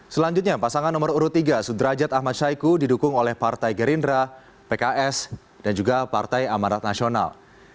selanjutnya pasangan nomor urut tiga sudrajat ahmad syaiqo didukung oleh partai gerindra pks dan juga partai amarat nasional